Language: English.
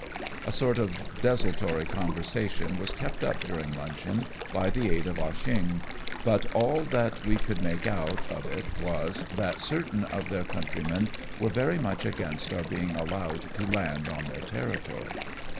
A sort of desultory conversation was kept up during luncheon by the aid of Ah Cheong, but all that we could make out of it was, that certain of their country men were very much against our being allowed to land on their territory.